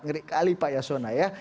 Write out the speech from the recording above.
ngeri kali pak yasona ya